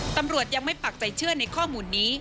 ตำรวจยังไม่ปักใจเชื่อในข้อมูลนี้